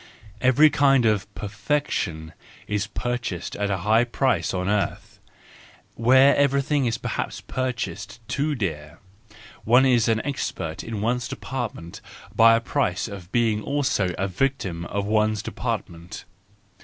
Every kind of perfection is pur¬ chased at a high price on earth, where everything is perhaps purchased too dear; one is an expert in one's department at the price of being also a victim of one's department.